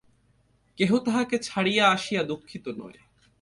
কেহ তাহাকে ছাড়িয়া আসিয়া দুঃখিত নয়।